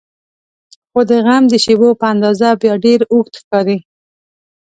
خو د غم د شیبو په اندازه بیا ډېر اوږد ښکاري.